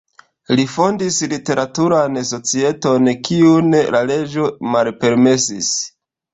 Li fondis literaturan societon, kiun la reĝo malpermesis.